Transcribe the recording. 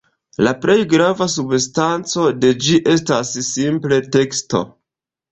La plej grava substanco de ĝi estas simple teksto.